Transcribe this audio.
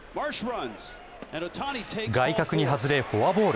外角に外れ、フォアボール。